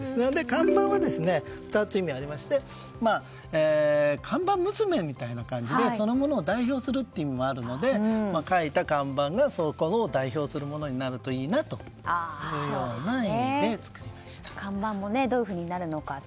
看板は２つありまして看板娘みたいな感じでそのものを代表するという意味もあるので書いた看板がそこを代表するものになると看板もどうなるのか。